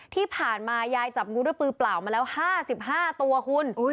ที่ผ่านมายายจับงูด้วยมือเปล่ามาแล้ว๕๕ตัวคุณ